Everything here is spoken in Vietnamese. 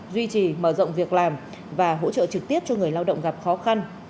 duy trì mở rộng việc làm và hỗ trợ trực tiếp cho người lao động gặp khó khăn